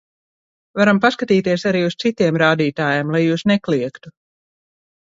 Varam paskatīties arī uz citiem rādītājiem, lai jūs nekliegtu.